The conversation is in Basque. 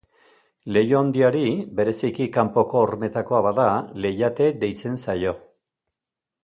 Leiho handiari, bereziki kanpoko hormetakoa bada, leihate deitzen zaio.